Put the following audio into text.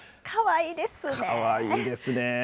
かわいいですね。